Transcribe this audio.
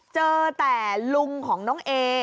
เจอแต่ลุงของน้องเอ